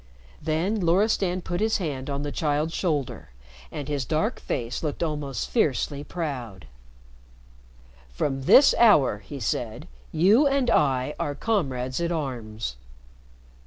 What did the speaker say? Then Loristan put his hand on the child's shoulder, and his dark face looked almost fiercely proud. "From this hour," he said, "you and I are comrades at arms."